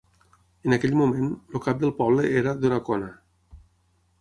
En aquell moment, el cap del poble era Donnacona.